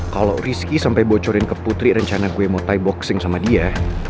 kalo rizky sampe bocorin ke putri rencana gue mau thai boxing sama dia